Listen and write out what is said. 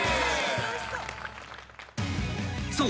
［そう！